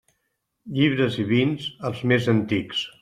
Llibres i vins, els més antics.